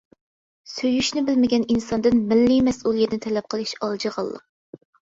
سۆيۈشنى بىلمىگەن ئىنساندىن مىللىي مەسئۇلىيەتنى تەلەپ قىلىش ئالجىغانلىق.